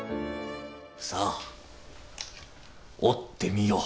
さあ折ってみよ。